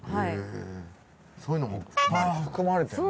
そういうのもいっぱい含まれてるね。